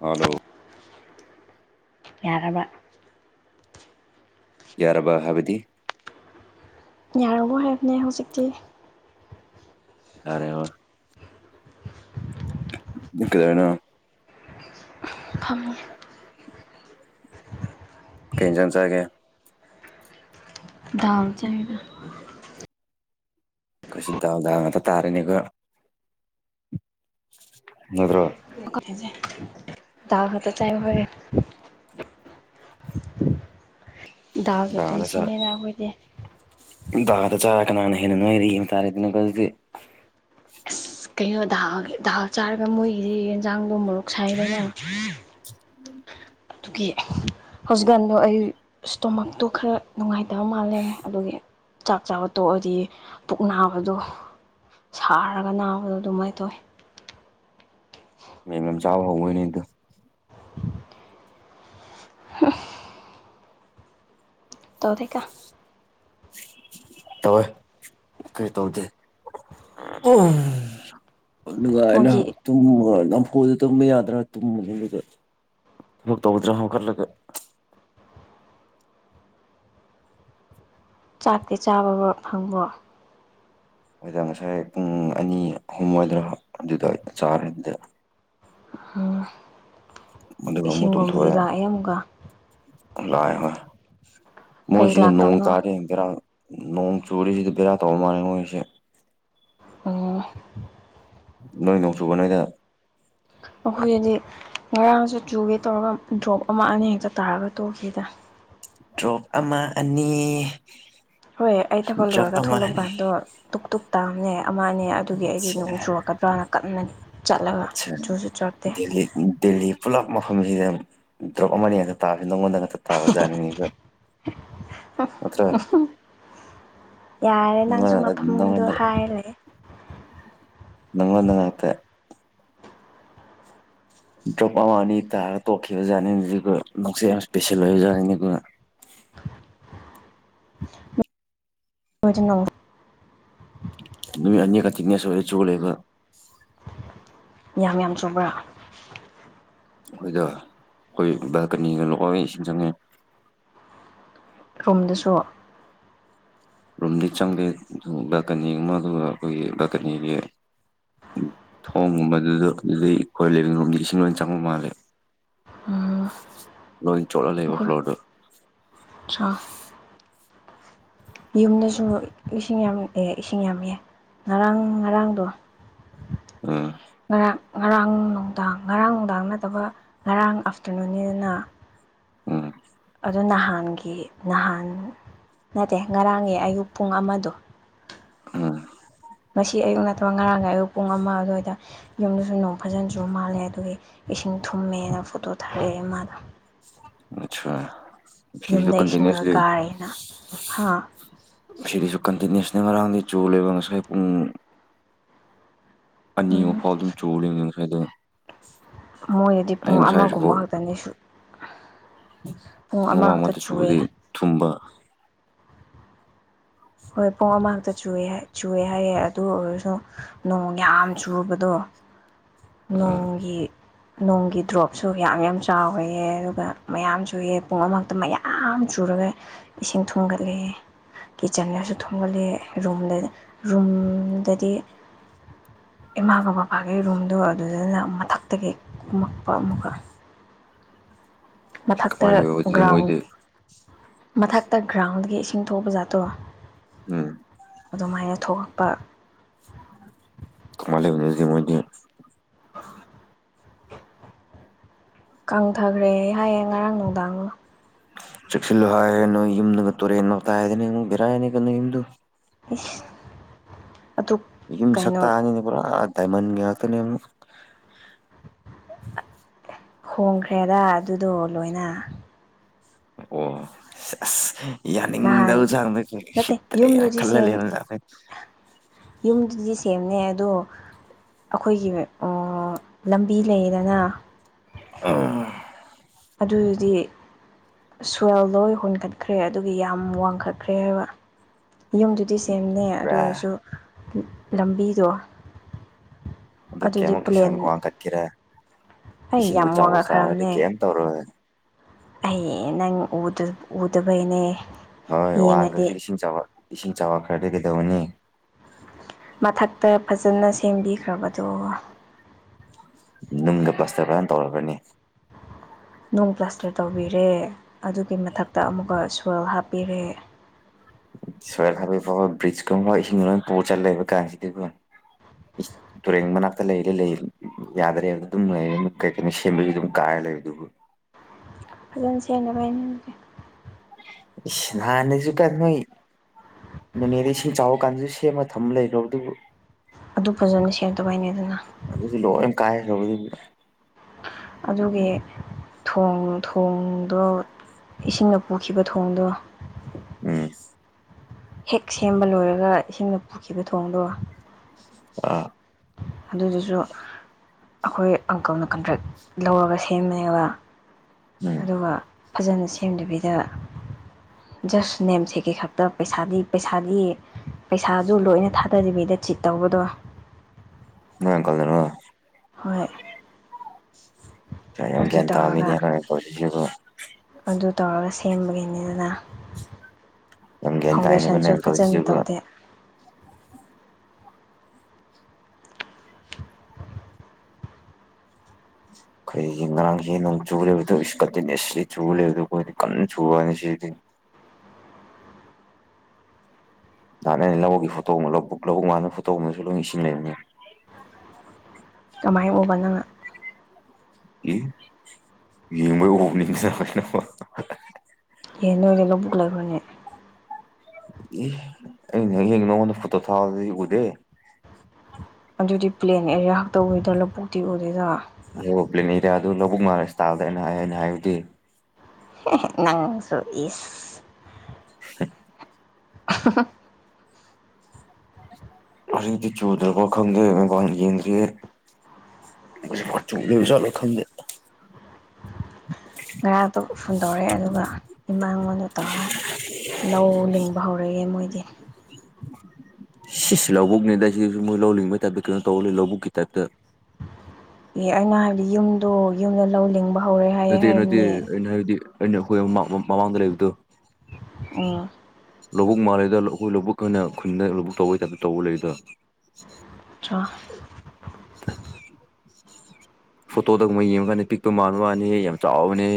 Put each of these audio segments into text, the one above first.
hello ꯌꯥꯔꯕ ꯌꯥꯔꯔꯕ ꯍꯥꯕꯗꯤ ꯌꯥꯔ ꯍꯥꯏꯕꯅꯦ ꯍꯧꯖꯤꯛꯇꯤ ꯌꯥꯔꯦ ꯋꯥ ꯀꯗꯅ ꯐꯝꯉ ꯀ ꯆꯟꯁꯔꯒꯦ ꯗꯥꯎ ꯆꯅ ꯀꯁꯤꯗꯎꯗꯥ ꯑ ꯇꯥꯔꯅꯤꯒ ꯅꯠꯇ꯭ꯔꯣ ꯗꯔꯍꯗ ꯆꯥꯏ ꯍ ꯗꯥꯎꯒꯤ ꯄꯨꯟꯁꯤꯅꯦꯅ ꯑꯩꯈꯣꯏꯗꯤ ꯗꯥꯗ ꯆꯥꯔ ꯀꯅꯥꯅ ꯍꯦꯟꯅ ꯅꯣꯏꯔꯤ ꯇꯥꯔꯦꯗꯅ ꯀꯁꯦ ꯑꯁ ꯀꯩꯅꯣ ꯥꯎ ꯍꯞ ꯆꯥꯔꯒ ꯃꯣꯏꯒꯤꯁꯤ ꯌꯦꯟꯖꯥꯡꯗꯣ ꯃꯔꯣꯛ ꯁꯥꯏꯔꯅꯦ ꯎꯝ ꯑꯗꯨꯒꯤ ꯍꯧꯖꯤꯛꯀꯥꯟꯗꯣ ꯑꯩ ꯏꯁꯇꯣꯃꯛꯇꯣ ꯈꯔ ꯅꯨꯡꯉꯥꯏꯇ ꯐꯈꯤꯇꯕ ꯃꯥꯜꯂꯦ ꯑꯗꯨꯒꯤ ꯆꯥꯛ ꯆꯥꯕ ꯇꯣꯛꯑꯗꯤ ꯄꯨꯛ ꯅꯥꯕꯗꯣ ꯁꯥꯔꯒ ꯅꯥꯕꯗꯣ ꯑꯗꯨꯃꯥꯏꯅ ꯇꯧꯋꯤ [unintelligible] [inaudible] ꯃ ꯂꯝ ꯆꯥꯕ ꯍꯧꯧꯕꯣꯏꯅꯦꯗꯣ ꯍꯐ ꯇꯧꯀ ꯇꯋ ꯀꯩ ꯇꯧꯗ ꯑꯣ ꯑꯗꯨꯒꯥꯏꯅ ꯃꯣꯏꯒꯤ ꯇꯨꯝ ꯌꯥꯝ ꯀꯣꯏꯗ ꯇꯨꯝꯕ ꯌꯥꯗ꯭ꯔꯥ ꯇꯨꯝꯕꯒꯨꯝꯕꯗ ꯊꯕꯛ ꯇꯧꯗ꯭ꯔꯥ ꯍꯥꯀꯠꯂꯒ ꯆꯥꯛꯇꯤ ꯆꯥꯕꯕ ꯐꯪꯕ ꯃꯣꯏꯗ ꯉꯁꯥꯏ ꯄꯨꯡ ꯑꯅꯤ ꯑꯍꯨꯝ ꯑꯣꯏꯣꯏꯗ꯭ꯔꯥ ꯑꯗꯨꯗ ꯆꯥꯔꯦ ꯑꯗꯨꯗ ꯎꯝ ꯑꯗꯨꯒ ꯑꯃꯨꯛ ꯏꯁꯤꯡꯒꯨꯝꯕꯗꯤ ꯇꯨꯝꯊꯣꯛꯑꯦ ꯂꯥꯛꯑꯦ ꯑꯃꯨꯛꯀ ꯂꯥꯛꯑꯦ ꯍꯣꯏ ꯀꯩ ꯃꯣꯏꯁꯤꯗ ꯅꯣꯡ ꯂꯥꯛꯇꯕꯅꯣ ꯇꯥꯔ ꯌꯦꯡꯒꯦꯔꯥ ꯅꯣꯡ ꯆꯨꯔꯤꯁꯤꯗꯤ ꯕꯦꯔꯥ ꯇꯧ ꯃꯥꯥꯟꯂꯦ ꯃꯣꯏꯁꯦ ꯑ ꯅꯣꯏ ꯅꯣꯡ ꯆꯨꯕ ꯅꯣꯏꯗ ꯑꯩꯈꯣꯏꯁꯤꯗꯤ ꯉꯔꯥꯡꯁꯨ ꯆꯨꯒꯦ ꯇꯧꯔꯒ ꯗ꯭ꯔꯣꯞ ꯑꯃ ꯑꯅꯤꯍꯦꯛꯇ ꯇꯥꯔꯒ ꯇꯣꯛꯈꯤꯗ ꯗ꯭ꯔꯣꯞ ꯑꯃ ꯑꯅꯤ ꯍꯣꯏ ꯑꯩ ꯊꯕꯛ ꯗ꯭ꯔꯣꯞ ꯂꯣꯏꯔꯒ ꯑꯃ ꯊꯣꯂꯝꯕ ꯑꯅꯤ ꯀꯥꯟꯗꯣ ꯇꯗꯨꯛ ꯇꯨꯛ ꯇꯥꯑꯕꯅꯦ ꯑꯃꯅꯦ ꯑꯗꯨꯒꯤ ꯑꯩꯁꯦ ꯅꯣꯡ ꯆꯨꯔꯛꯀꯗ꯭ꯔꯥꯅ ꯀꯟꯅꯟꯅꯅꯤ ꯑꯆꯥ ꯗ ꯗꯦꯜꯂꯤ ꯄꯨꯂꯞ ꯃꯐꯝꯁꯤ ꯗ꯭ꯔꯣꯞ ꯑꯃ ꯉꯛꯇ ꯇꯥꯕꯁꯦ ꯅꯪꯉꯣꯟꯗ ꯉꯛꯇ ꯇꯥꯕꯖꯥꯠꯅꯤꯡꯉꯒ [unintelligible] [inaudible] ꯌꯥꯔꯦ ꯅꯪꯁꯨ ꯅꯪꯉꯣꯟꯗ ꯃꯐꯝꯗꯣ ꯅꯪꯉꯣꯟꯗ ꯍꯥꯏꯔ ꯂꯩꯦ ꯅꯉꯣꯟꯅ ꯉꯇꯦ ꯗ꯭ꯔꯣꯞ ꯑꯃ ꯑꯅꯤ ꯇꯥꯔꯒ ꯇꯣꯛꯈꯤꯕꯖꯠꯅꯤꯅꯦ ꯅꯁꯦ ꯌꯥꯝ ꯏꯁꯄꯦꯁꯦꯜ ꯑꯣꯏꯕꯖꯥꯠꯅꯤꯅꯤ ꯑꯗꯨꯒ [unintelligible] [inaudible] ꯌꯖꯅ ꯅꯨ ꯑ ꯀ ꯆꯤꯒꯅꯦ ꯁ ꯑꯣꯏꯦ ꯆꯣ ꯂꯩ ꯂꯩꯒ ꯌꯥꯝ ꯌꯥꯝ ꯆꯕ꯭ꯔꯥ ꯑꯩꯈꯣꯏꯗ ꯑꯩꯈ ꯚꯀꯅꯤꯒ ꯂꯕꯤ ꯏꯁꯤꯡ ꯆꯪꯉꯦ ꯔꯣꯨꯝꯗꯁꯨ ꯔꯨꯝꯗꯤ ꯆꯪꯂꯤ ꯕꯜꯀꯅꯤ ꯑꯃ ꯑꯗꯨꯒ ꯑꯩꯈꯣꯏꯒꯤ ꯕꯀꯅꯤꯒꯤ ꯎ ꯊꯣꯡꯒꯨꯝꯕꯗꯨꯗ ꯑꯗꯨꯩ ꯑꯩꯈꯣꯏ ꯂꯤꯕꯤꯡꯒꯨꯝꯝꯗꯤ ꯏꯁꯤꯡ ꯂꯣꯏ ꯆꯪꯕ ꯃꯥꯜꯂꯦ ꯎꯝ ꯂꯣꯏ ꯆꯂ ꯂꯩꯕ ꯑꯩꯈꯣꯏ ꯐ꯭ꯂꯣꯗ ꯑꯆꯥ ꯌꯨꯝꯗꯁꯨ ꯏꯁꯤꯡ ꯌꯥꯝ ꯏꯁꯤꯡ ꯌꯥꯝꯃꯛꯑꯦ ꯉꯔꯥꯡ ꯉꯔꯥꯡꯗꯣ ꯎꯝ ꯉꯔꯥꯡ ꯉꯔꯥꯡ ꯅꯨꯡꯗꯥꯡ ꯉꯔꯥꯡ ꯅꯨꯡꯗꯥꯡ ꯅꯠꯇꯕ ꯉꯔꯥꯡ ꯑꯥꯐꯇꯔꯅꯨꯟꯅꯤꯗꯅ ꯑ [inaudible] ꯑꯗꯨ ꯅꯍꯥꯟꯒꯤ ꯅꯍꯥꯟ ꯅꯠꯇꯦ ꯉꯔꯥꯡꯒꯤ ꯑꯌꯨꯛ ꯄꯨꯡ ꯑꯃꯗꯣ ꯑ ꯉꯁꯤ ꯑꯌꯨꯛ ꯅꯠꯇ꯭ꯔ ꯉꯔꯥꯡꯒꯤ ꯑꯌꯨꯛ ꯄꯨꯡ ꯑꯃ ꯑꯗꯨꯋꯥꯏꯗ ꯌꯨꯝꯗꯁꯨ ꯅꯣꯡ ꯐꯖꯅꯁꯨ ꯃꯥꯜꯂꯦ ꯑꯗꯨꯒꯤ ꯏꯁꯤꯡ ꯊꯨꯝꯃꯦꯅ ꯐꯣꯇꯣ ꯊꯥꯔꯛꯑꯦ ꯏꯃꯥꯗ ꯑꯆꯥꯥ ꯌꯨꯝꯗ ꯏꯁꯤꯡ ꯂꯣꯏ ꯀꯥꯔꯛꯦꯅ ꯍꯥꯥ ꯁꯤꯔꯤꯁꯨ ꯀꯟꯇꯤꯅ꯭ꯁꯅꯦ ꯃꯔꯔꯥꯡꯗꯤ ꯆꯣꯂ ꯂꯩꯕ ꯉꯁꯥꯏ ꯄꯨꯡ ꯑꯅꯤ ꯑꯃꯛ ꯎꯝ ꯐꯥꯎ ꯑꯗꯨꯝ ꯆꯨꯦꯁꯥꯏꯗ ꯃꯣꯏꯗꯗꯤ ꯄꯨꯡ ꯑꯃꯒꯨꯝꯕ ꯈꯛꯇꯅꯤꯁꯨ ꯄꯨꯡ ꯑꯃꯃꯥꯡ ꯑꯃꯇ ꯁꯨꯕꯗꯤ ꯆꯨꯑꯦ ꯊꯨꯝꯕ ꯍꯣꯏ ꯄꯨꯡ ꯑꯃꯈꯛꯇ ꯆꯨꯏꯦ ꯆꯨꯑꯦ ꯍꯥꯏꯌꯦꯦ ꯑꯗꯨ ꯑꯣꯏꯔꯁꯨ ꯅꯣꯡ ꯌꯥꯝ ꯆꯨꯕꯗꯣ [unintelligible] ꯅꯣꯡꯒꯤ ꯅꯣꯡꯒꯤ ꯗ꯭ꯔꯣꯞꯁꯨ ꯌꯥꯝ ꯌꯥꯝ ꯆꯥꯎꯔꯦꯑ ꯑꯗꯨꯒ ꯃꯌꯥꯝꯁꯨꯨꯏ ꯄꯨꯡ ꯑꯃꯛꯇ ꯃꯌꯥꯝ ꯆꯨꯔꯦ ꯑꯗꯨꯒ ꯏꯁꯤꯡ ꯊꯨꯡꯒꯠꯂꯦ [unintelligible] ꯀꯤꯠꯆꯟ ꯃꯌꯥꯝꯁꯨ ꯊꯣꯝꯒꯠꯂ ꯔꯨꯝꯗ ꯔꯨꯝꯗꯗꯤ ꯏꯃꯥꯒ ꯕꯕꯥꯒꯤ ꯔꯨꯝꯗꯣ ꯑꯗꯨꯗꯨꯅ ꯃꯊꯛꯇꯒꯤ ꯀꯨꯝꯃꯛꯄ ꯑꯃꯨꯛꯀ ꯃꯊꯛꯇ ꯀꯃꯥꯏꯅ ꯂꯩꯕ ꯑꯗꯨꯗꯤ ꯒ꯭ꯔꯥꯎꯟ ꯃꯣꯏꯗꯤ ꯃꯊꯛꯇ ꯒ꯭ꯔꯥꯎꯟꯗꯒꯤ ꯏꯁꯤꯡ ꯊꯣꯛꯄ ꯖꯥꯠꯇꯣ ꯎꯝ ꯑꯗꯨꯃꯥꯏꯅ ꯊꯣꯛꯂꯛ ꯄ ꯀ ꯃꯥꯁꯤꯗꯤ ꯀꯪꯊꯈ꯭ꯔꯦ ꯍꯥꯏꯌꯦꯦ ꯉꯔꯥꯡ ꯅꯨꯡꯗꯥꯡꯅꯣ ꯆꯦꯛꯛꯁꯤꯂꯣ ꯍꯥꯏꯅꯣ ꯏ ꯇꯨꯔꯦ ꯅ ꯇꯗꯦꯅ ꯒꯤꯔꯥꯅꯤ ꯀ ꯏꯗꯨ [unintelligible] ꯌꯨꯝ ꯀꯩꯅꯣ ꯁꯛꯛꯇꯥꯛꯑꯅꯤꯅꯦ ꯄꯨꯔꯥ ꯗꯥꯏꯃꯟꯒꯤ ꯉꯥꯛꯇꯅꯦ ꯑꯃꯨ ꯍꯣꯡꯈ꯭ꯔꯦꯗ ꯑꯗꯨꯗꯣ ꯂꯣꯏꯅ ꯑꯣ ꯅꯍꯥꯟ ꯌꯥꯅꯤꯡꯗꯕ ꯆꯥꯡꯗ ꯅꯠꯇꯦ ꯁꯤꯠꯇ꯭ꯔꯦꯅ ꯈꯜꯍꯜꯂꯦꯕ ꯆꯥꯡꯁ ꯌꯨꯝ ꯁꯦꯝꯅꯦ ꯑꯗꯣ ꯑꯩꯈꯣꯏꯒꯤ ꯂꯝꯕꯤ ꯂꯩꯗꯅ ꯑ ꯑꯗꯨꯗꯤ ꯁ꯭ꯋꯦꯜ ꯂꯣꯏ ꯍꯨꯟꯈꯠꯈ꯭ꯔꯦ ꯑꯗꯨꯒꯤ ꯌꯥꯝ ꯋꯥꯡꯈꯠꯈ꯭ꯔꯦ ꯍꯥꯏꯕ ꯌꯨꯝꯗꯨꯗꯤ ꯁꯦꯝꯅꯦ ꯑꯗꯨ ꯕ꯭ꯔꯥ ꯑꯣꯏꯔꯁꯨ ꯂꯝꯕꯤꯗꯣ ꯑꯗꯨ ꯑꯗꯨꯗꯤ ꯀꯩꯃꯨꯛꯀꯤ ꯁ ꯄ꯭ꯂꯦꯟ ꯋꯥꯡꯈꯠꯈꯤꯔꯦ ꯑꯩ ꯏꯁꯤꯡꯕꯨ ꯌꯥꯝ ꯆꯥꯎꯕ ꯆꯥꯗꯤ ꯋꯥꯡꯉꯛꯈ꯭ꯔꯕꯅꯦ ꯀꯩꯝ ꯇꯧꯔꯣꯏ ꯑꯩ ꯅꯪ ꯎꯗꯕꯩꯅꯦ ꯍꯣꯏ ꯌꯦꯡꯉꯗꯤ ꯋꯥꯡꯈ꯭ꯔꯁꯨ ꯏꯁꯤꯡꯕ ꯏꯁꯤꯡ ꯆꯕ ꯈ꯭ꯔꯗꯤ ꯀꯩꯗꯧꯅꯤ ꯃꯊꯛꯇ ꯐꯖꯅ ꯁꯦꯝꯕꯤꯈ꯭ꯔꯕꯗꯣ ꯅꯨꯡꯗ ꯄ꯭ꯂꯁꯇꯔ ꯐꯖꯅ ꯇꯧꯔꯛꯒꯅꯤ ꯅꯨꯡ ꯄ꯭ꯂꯁꯇꯔ ꯇꯧꯕꯤꯔꯦ ꯑꯗꯨꯒꯤ ꯃꯊꯛꯇ ꯑꯃꯨꯛꯀ ꯁꯋꯦꯜ ꯍꯥꯞꯄꯤꯔꯦ ꯁꯣꯏꯜ ꯍꯥꯕꯤꯩ ꯐꯥꯎꯕ ꯕ꯭ꯔꯤꯖꯀꯨꯝꯕ ꯏꯁꯤꯡ ꯂꯣꯏ ꯄꯨ ꯆꯠꯂꯛꯦꯕ ꯀꯁꯤꯗꯤꯕꯨ ꯇꯨꯔꯕꯅꯥꯇ ꯂꯩ ꯂꯩ ꯂꯩ ꯌꯥꯗ꯭ꯔꯦ ꯌꯥꯗ ꯑꯗꯨꯝ ꯂꯩ ꯀꯩꯀꯅꯤ ꯁꯦꯝꯕꯤꯒ ꯑꯗꯨꯝ ꯀ ꯂꯩꯗꯨꯕꯨ ꯐꯖꯅ ꯁꯦꯡꯅꯕ ꯍꯥꯏꯟꯁꯦ ꯏ ꯁꯅꯦꯁꯨꯨ ꯀꯅꯣꯣꯏ ꯅꯅꯦꯗ ꯏꯁꯤꯡ ꯆꯥꯎꯕ ꯀꯥꯟꯗꯁꯨ ꯁꯦꯝꯃ ꯊꯝꯕ ꯂꯩꯔꯣ ꯑꯗꯨꯕꯨ ꯑꯗꯨ ꯐꯖꯅ ꯁꯔꯗꯕ ꯍꯥꯏꯅꯦꯗꯅ ꯌꯥꯧꯕꯗꯤꯕꯤ ꯑꯗꯨꯒꯤ ꯊ ꯊꯣꯡꯗꯣ ꯏꯁꯤꯡꯅ ꯄꯨꯈꯤꯕ ꯊꯣꯡꯗꯣ ꯎꯝ ꯍꯦꯛ ꯁꯦꯝꯕ ꯂꯣꯏꯔꯒ ꯏꯁꯤꯡꯅ ꯄꯨꯈꯤꯕ ꯊꯣꯡꯗꯣ ꯑ ꯑꯗꯨꯗꯨꯁꯨ ꯑꯩꯈꯣꯏ ꯑꯪꯀꯜꯅ ꯀꯟꯇ꯭ꯔꯦꯛ ꯂꯧꯔꯒ ꯁꯦꯝꯃꯦꯃꯦꯕ ꯎꯝ ꯑꯗꯨꯒ ꯐꯖꯅ ꯁꯦꯝꯗꯕꯤꯗꯕ ꯖꯁ ꯅꯦꯝꯁꯦ ꯀꯩ ꯈꯛꯇ ꯄꯩꯁꯥꯗꯤ ꯄꯩꯁꯥꯗꯤ ꯄꯩꯁꯥꯁꯨ ꯂꯣꯏꯅ ꯊꯥꯗꯕꯤꯗ ꯆꯤꯠ ꯇꯧꯕꯗꯣ ꯌꯦꯡ ꯀꯜꯗꯔ ꯍꯣꯏ ꯌꯥꯝ ꯑꯗꯨ ꯇ ꯇꯧꯔꯒ ꯌꯥꯕꯨꯣ ꯑꯗꯨ ꯇꯧꯔꯒ ꯁꯦꯝꯕꯒꯤꯅꯤ ꯑꯗꯨꯅ ꯅꯪ ꯑꯦꯇ ꯍꯥꯏꯅꯤ ꯀ ꯀꯁꯤ ꯑꯩꯈꯣꯏꯒꯤ ꯉꯔꯥꯡ ꯍ ꯅꯣꯡ ꯆꯨ ꯂꯩꯦꯕꯗꯁꯨ ꯀꯟꯇꯤꯅꯤꯁꯂꯤ ꯆꯨ ꯂꯩꯦꯕꯗꯣ ꯑꯩꯈꯣꯏ ꯀꯟꯅ ꯆꯨꯕ ꯍꯥꯏꯅ ꯁꯤꯗꯤ ꯅꯍꯥꯟꯅ ꯑꯩꯅ ꯂꯧꯕꯒꯤ ꯐꯣꯇꯣ ꯑꯃꯛ ꯂꯧꯕꯨꯛ ꯂꯧꯕꯨꯛ ꯉꯅ ꯐꯣꯇꯣꯒꯁꯨ ꯂꯣꯏ ꯏꯁꯤꯟꯅꯕꯅꯤ ꯀꯃꯥꯏꯅ ꯎꯕ ꯅꯪꯅ ꯑꯦ ꯌꯦꯡꯕ ꯑꯣꯕꯅꯤꯡ ꯆꯦ ꯅꯃ ꯑꯦ ꯅꯣꯏꯗꯤ ꯂꯧꯕꯨꯛ ꯂꯩꯈ꯭ꯔꯅꯦ ꯍ ꯅꯉꯣꯟꯗ ꯐꯠꯇꯣ ꯊꯥꯗ ꯏꯕꯨꯗꯦ ꯑꯗꯨꯗꯤ ꯄ꯭ꯂꯦꯟ ꯑꯦꯔꯤꯌꯥ ꯈꯛꯇ ꯑꯣꯏꯗ꯭ꯔꯣ ꯂꯧꯕꯨꯛꯇꯤ ꯎꯗꯣꯏꯗ ꯍꯣ ꯄ꯭ꯂꯂꯤꯟ ꯏꯔꯌꯥ ꯑꯗꯨ ꯂꯧꯕꯛ ꯉꯔꯁꯇꯥꯥꯗꯅ ꯍꯥꯏ ꯍꯥꯏꯅ ꯍꯥꯏꯕꯗꯤ ꯅꯪꯁꯨ ꯏꯁ [inaudible] [inaudible] ꯑꯗꯤ ꯆꯧꯗ꯭ꯔ ꯄꯈꯗꯒ ꯀꯦꯟꯗ꯭ꯔꯦ ꯆꯣꯡ ꯆꯂ ꯈꯪꯗ ꯉꯔꯥꯡꯗꯣ ꯐꯣꯟ ꯇꯧꯔꯛꯑꯦ ꯑꯗꯨꯒ ꯏꯃꯥꯉꯣꯟꯗ ꯇꯧꯔꯒ ꯂꯧ ꯂꯤꯡꯕ ꯍꯧꯔꯛꯑꯦ ꯃꯣꯏꯗꯤ ꯁꯤ ꯂꯧꯕꯨꯛꯅꯤꯗ ꯁꯤꯁꯨ ꯃꯣꯏ ꯂꯧꯅꯤꯡꯤꯡꯕꯩ ꯇꯥꯏꯞꯇ ꯀꯩꯅꯣ ꯇꯧ ꯂꯩ ꯂꯧꯕꯨꯛꯀꯤ ꯇꯥꯏꯞꯇ ꯑꯦ ꯑꯩꯅ ꯍꯥꯏꯕꯗꯤ ꯌꯨꯝꯗꯣ ꯌꯨꯝꯗ ꯂꯧꯅꯤꯡꯤꯡꯕ ꯅ ꯅꯩꯅ ꯍ ꯃꯃꯥꯡꯗ ꯂꯩ ꯇ ꯎꯝ ꯂꯧꯕꯨꯛ ꯃꯥꯜꯜꯂꯤꯦꯗ ꯑꯩꯈꯣꯏ ꯂꯧꯕꯛꯈꯟꯅ ꯈꯨꯟꯗ ꯂꯧꯕꯛ ꯇꯧꯕꯒꯤ ꯇꯥꯏꯞꯇ ꯇꯧꯕ ꯂꯩꯗ ꯆ ꯐꯣꯇꯣꯗꯪꯕ ꯌꯦꯡꯉꯀꯥꯟꯗ ꯄꯤꯛꯄ ꯃꯜꯥꯟꯕ ꯃꯥꯅꯤ ꯌꯥꯝ ꯆꯥꯎꯕꯅꯦ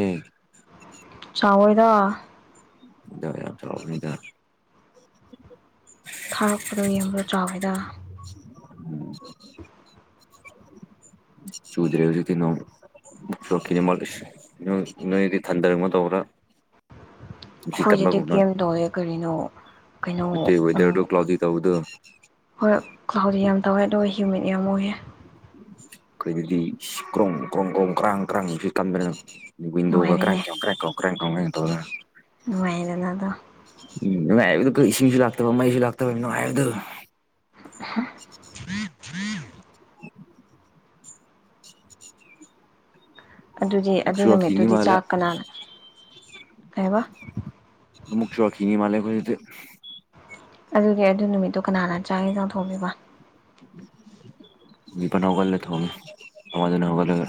ꯆꯥꯎꯑꫭꯏꯗ ꯌꯥꯗ꯭ꯔ ꯅꯨꯗ ꯊꯥꯔꯛꯄꯗꯣ ꯌꯦꯡꯕꯗꯣ ꯆꯥꯎꯋꯦꯗ ꯎꯝ ꯁꯨꯗꯔꯦꯁꯨ ꯀ ꯅꯣ ꯆꯣꯈꯤꯅꯤ ꯃꯥꯣꯂꯤꯁ ꯅꯣꯏꯗꯤ ꯊꯟꯗꯔꯅꯣ ꯇꯧꯕ꯭ꯔꯥ ꯅꯨꯡꯁꯤꯠ ꯑꯩꯈꯣꯏꯖꯤꯗꯤ ꯀꯟꯕꯒꯨꯝꯕ ꯀꯦꯝ ꯇꯧꯋꯦ ꯀꯔꯤꯅꯣ ꯀꯩꯅꯣ ꯅꯠꯇꯦ ꯋꯦꯗꯔꯗꯣ ꯀ꯭ꯂꯥꯎꯗꯤ ꯇꯧꯕꯗꯣ ꯍꯣꯏ ꯀꯍꯗꯤ ꯌꯥꯝ ꯇꯧꯋꯏ ꯑꯗꯨ ꯍ꯭ꯌꯨꯃꯤꯠ ꯌꯥꯝ ꯑꯣꯏꯌꯦ ꯀꯩꯗꯤ ꯀ꯭ꯔꯣꯡ ꯀ꯭ꯔꯣꯡ ꯀ꯭ꯔꯣꯡ ꯀ꯭ꯔꯥꯡ ꯀ꯭ꯔꯥꯡ ꯁꯤ ꯀꯟꯗꯅꯅ ꯟꯗꯒ ꯀ꯭ꯔ ꯀ ꯀ꯭ꯔꯦꯡ ꯀ ꯀ꯭ꯔꯦꯡ ꯀ ꯇꯧ ꯅꯨꯡꯉꯥꯏꯅ ꯑꯗꯣ ꯎꯝꯅꯨꯡꯉꯥꯏꯕꯗ ꯀ ꯏꯁꯤꯡꯁꯨ ꯂꯥꯛꯇꯕ ꯃꯩꯁꯨ ꯂꯥꯛꯇꯕ ꯅꯨꯡꯥꯏ ꯍꯥꯏꯕꯗ ꯊꯔꯤ ꯊꯔꯤ ꯑꯗꯨꯗꯤ ꯑꯗꯨ ꯑꯃꯨꯛꯁꯨ ꯋꯥꯛꯀꯤꯡꯅꯤ ꯅꯨꯃꯤꯠꯇꯨꯗꯤ ꯃꯥꯜꯂꯦ ꯆꯥꯛ ꯀꯅꯥꯅ ꯍꯥꯏꯕ ꯃꯨꯛ ꯆꯈꯅꯤ ꯃꯥꯂꯦ ꯈꫭꯏꯗꯤ ꯑꯗꯨꯗꯤ ꯑꯗꯨ ꯅꯨꯃꯤꯠꯇꯣ ꯀꯅꯥꯅ ꯆꯥꯡꯌꯦꯟ ꯆꯪꯊꯣꯛꯄꯤꯕ ꯃꯤꯄꯥꯅꯒ ꯊꯅꯒ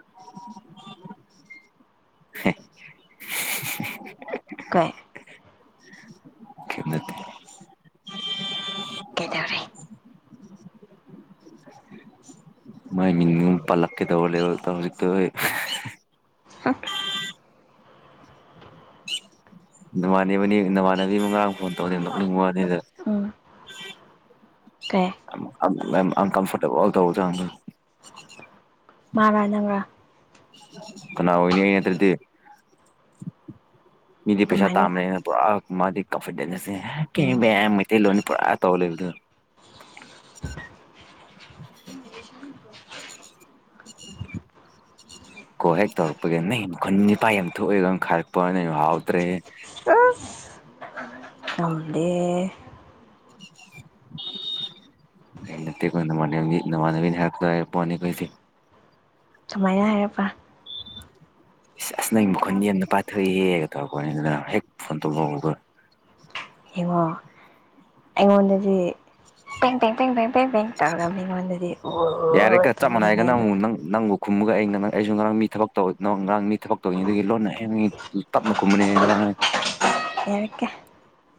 [inaudible] ꯀ ꯀꯩꯝ ꯅꯠꯇꯦ ꯀꯦꯗꯔꯔꯤ ꯃꯣꯏ ꯄꯜꯂꯛꯀꯦ ꯇꯧ ꯂꯩꯦꯕ ꯇꯧ ꯇ ꯅꯃꯥꯟꯕꯅꯤ ꯅꯃꯥꯟꯅꯕꯤ ꯃꯉꯥꯡ ꯐꯣꯟ ꯇꯧꯅꯤ ꯂꯧꯅꯤꯡꯕ ꯋꯥꯅꯤꯗ ꯎꯝ ꯀꯩ ꯑꯟꯀꯝꯐꯔꯇꯦꯕꯜꯗꯗ ꯃꯥꯔꯥꯖꯕ ꯀꯅꯥ ꯑꯣꯏꯅꯤ ꯑ ꯅꯠꯇ꯭ꯔꯗꯤ ꯃꯤꯗꯤ ꯄꯩꯁꯥ ꯀꯃꯥꯏꯅ ꯇꯥꯝꯃꯦꯦꯅ ꯄꯨ ꯃꯥꯗꯤ ꯀꯐꯦ ꯀ ꯎꯝ ꯃꯩꯇꯩ ꯂꯣꯟꯅꯤ ꯄꯨꯔꯥ ꯇꯧ ꯂꯩꯦꯕꯗ [unintelligible] [unintelligible] ꯀꯣ ꯍꯦꯛ ꯇꯧꯔꯛꯄꯒꯤ ꯅꯪ ꯃꯈꯟ ꯅꯤꯄꯥꯥꯏ ꯌꯥꯝ ꯊꯣꯛꯑꯦꯒ ꯈꯥꯏꯔꯛꯄ ꯅ ꯌꯥꯝ ꯍꯥꯎꯗ꯭ꯔꯦ ꯑꯁ ꯉꯝꯗꯦ [unintelligible] ꯑ ꯅꯠꯇꯦ ꯅꯃꯥꯟ ꯅꯃꯥꯟꯅꯕꯤꯅ ꯍꯥꯏꯔꯛꯇ ꯄꯣꯠꯅꯤꯈꯣꯏꯁꯦ ꯁꯨꯃꯥꯏꯅ ꯍꯥꯏꯔꯕ꯭ꯔꯥ ꯑꯁ ꯅꯪ ꯃꯈꯨꯣꯟ ꯌꯥꯝꯅ ꯄꯥꯊꯣꯛꯏꯍꯦꯒ ꯇꯧꯔꯛꯄꯅꯤ ꯑꯗꯨꯅ ꯍꯦꯛ ꯐꯣꯟ ꯇꯧꯕꯂꯛꯑꯣꯒ ꯌꯦꯡꯉꯣ ꯑꯩꯉꯣꯟꯗꯗꯤ ꯄꯦꯡ ꯄꯦꯡ ꯄꯦꯡ ꯄꯦꯡ ꯄꯦꯡ ꯄꯦꯡ ꯇꯧꯔꯒ ꯃꯤꯉꯣꯟꯗꯗꯤ ꯑꯣ ꯌꯥꯔꯦꯒ ꯆꯞ ꯃꯥꯟꯅꯏꯒ ꯇꯧꯕꯒꯤꯅꯦ ꯑꯗ ꯅꯪꯕꯨ ꯅꯪ ꯅꯪꯕꯨ ꯈꯨꯝꯃꯒ ꯑꯩ ꯅ ꯑꯩꯁꯨ ꯉꯔꯥꯡ ꯃꯤ ꯊꯕꯛ ꯇꯧ ꯉꯔꯥꯡ ꯃꯤ ꯊꯕꯛ ꯇꯧꯅꯤ ꯑꯗꯨꯒꯤ ꯂꯣꯟꯅ ꯍꯌꯦꯡ ꯇꯞꯅ ꯈꯨꯝꯕꯅꯤ ꯉꯔꯥꯡ ꯎ ꯌꯦꯀꯦ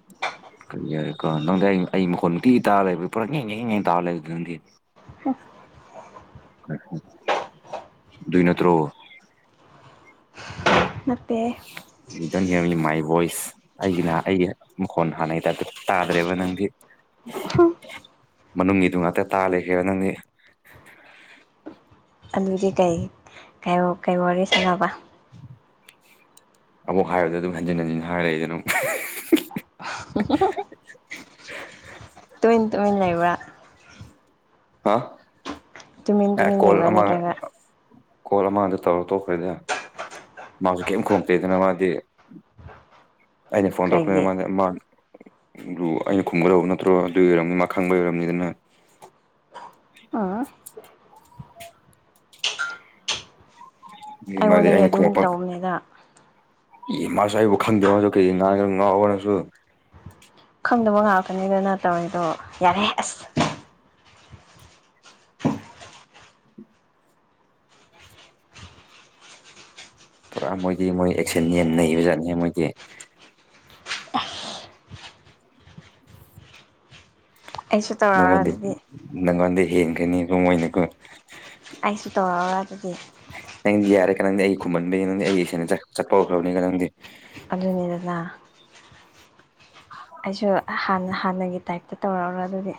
[unintelligible] ꯀꯔꯤ ꯌꯥꯔꯦꯀꯣ ꯅꯪꯗꯤ ꯑꯩ ꯑꯩ ꯃꯈꯣꯟꯃꯅꯨꯡꯛꯇꯤ ꯇꯥꯔ ꯂꯩꯕ ꯄꯨꯔꯥ ꯌꯦ ꯇꯥꯔ ꯂꯩꯕꯦ ꯅꯪꯗꯤ ꯑꯗꯨꯏ ꯅꯠꯇ꯭ꯔꯣ ꯅꯠꯇꯦ ꯗ ꯍꯤꯔꯡ ꯃꯥꯏ ꯚꯣꯏꯁ ꯑꯩꯒꯤꯅꯍ ꯑꯩꯒꯤ ꯃꯈꯣꯟ ꯍꯥꯟꯅꯩꯗ ꯇꯥꯗ꯭ꯔꯦꯕ ꯅꯪꯗꯤ ꯍ ꯃꯅꯨꯡꯒꯤꯗꯨ ꯉꯥꯛꯇ ꯇꯥ ꯂꯩꯦꯈꯦ ꯅꯪꯗꯤ [unintelligible] ꯑꯗꯨꯗꯤ ꯀꯩꯩ ꯋꯥꯔꯤ ꯁꯥꯟꯅꯕ ꯑꯃꯕꯛ ꯍꯥꯏꯕꯗ ꯑꯗꯨꯝ ꯍꯟꯖꯤꯟ ꯍꯟꯖꯤꯟ ꯍꯥꯏꯔ ꯂꯩꯏꯗꯅ ꯑꯃꯨꯛ [unintelligible] ꯇꯨꯃꯤꯟ ꯇꯨꯃꯤꯟ ꯂꯩꯕ꯭ꯔ ꯑ ꯇꯨꯃꯤꯟ ꯑꯦ ꯇꯨꯃꯤꯟ ꯀꯣꯜ ꯂꯩꯕ꯭ꯔꯥ ꯑꯃ ꯑꯃ ꯅꯠꯇ꯭ꯔꯒ ꯀꯣꯜ ꯑꯃ ꯑꯗ ꯇꯧꯔꯣ ꯇꯣꯛꯈ꯭ꯔꯗꯤ ꯃꯥꯁꯨ ꯀꯔꯤꯝ ꯈꯣꯡꯇꯦꯗꯅ ꯃꯥꯗꯤ ꯑꯩꯅ ꯐꯣꯟ ꯇꯧꯔꯛꯄꯅꯤꯅ ꯀꯩꯒꯤ ꯃꯥꯁ ꯃꯥ ꯑꯩꯅ ꯈꯨꯝꯒꯗꯧꯕ ꯅꯠꯇ꯭ꯔꯣ ꯑꯗꯨ ꯑꯣꯏꯔꯝꯅꯤ ꯃꯥ ꯈꯪꯕ ꯑꯣꯏꯔꯝꯅꯤꯗꯅ ꯎꯝ ꯉꯣꯟꯅꯗꯤ ꯑꯗꯨꯝ ꯇꯧꯕꯅꯤꯅ ꯏꯃꯁꯨ ꯑꯩꯕꯨ ꯈꯪꯗꯦ ꯃꯥꯁꯨ ꯀꯩ ꯉꯥꯡ ꯉꯥꯎꯕꯅꯁꯨ ꯈꯪꯗꯕ ꯉꯥꯛꯇꯅꯤꯗꯅ ꯇꯧꯔꯤꯗꯣ ꯌꯥꯔꯦ ꯑꯁ ꯄꯨꯔꯥ ꯃꯣꯏꯗꯤ ꯃꯣꯏ ꯑꯦꯛꯁꯟ ꯌꯦꯟ ꯅꯩꯕꯖꯥꯠꯅꯤ ꯃꯣꯏꯗꯤ ꯑꯩꯁꯨ ꯇꯧꯔꯛꯑꯣꯔ ꯅꯪꯉꯣꯟꯗꯤ ꯑꯗꯨꯗꯤ ꯅꯪꯉꯣꯟꯗ ꯍꯦꯟꯈꯅꯤꯕꯣꯣꯏꯅꯤꯀꯣ ꯑꯩꯁꯨ ꯇꯧ ꯑꯗꯨꯗꯤ ꯅꯪꯗꯤ ꯌꯥꯔꯦ ꯀꯅꯥꯪꯗꯤ ꯑꯩ ꯈꯨꯝꯃꯟꯕꯒꯤ ꯅꯪꯗꯤ ꯑꯩꯦꯅ ꯆꯠꯄ ꯍꯧꯈ꯭ꯔꯕꯅꯤ ꯀ ꯅꯪꯗꯤ ꯑꯗꯨꯅꯤꯗꯅ ꯑꯩꯁꯨ ꯍꯥꯟꯅ ꯍꯥꯟꯅꯒꯤ ꯇꯥꯏꯞꯇ ꯇꯧꯔꯛꯎꯔꯣ ꯑꯗꯨꯗꯤ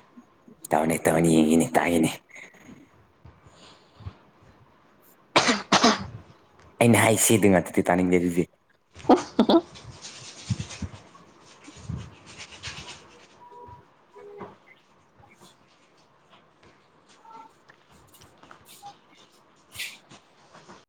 ꯇꯧꯅꯦꯦ ꯇꯧꯅꯤ ꯌꯦꯒꯅꯦ ꯇꯥꯏꯅꯦ ꯑꯩꯅ ꯍꯥꯏꯁꯤꯗꯤ ꯉꯥꯛꯇꯗꯤ ꯇꯥꯅꯤꯡꯗꯔꯤꯁꯦ ꯑ